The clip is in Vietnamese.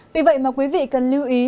vì vậy mà quý vị cần lưu ý